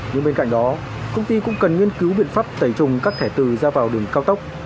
nhưng bên cạnh đó công ty cũng cần nghiên cứu biện pháp tẩy trùng các thẻ từ ra vào đường cao tốc